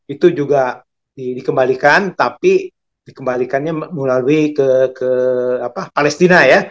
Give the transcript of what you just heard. itu juga dikembalikan tapi dikembalikannya melalui ke palestina ya